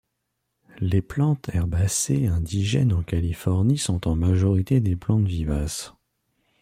Les plantes herbacées indigènes en Californie sont en majorité des plantes vivaces.